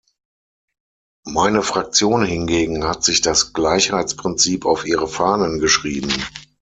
Meine Fraktion hingegen hat sich das Gleichheitsprinzip auf ihre Fahnen geschrieben.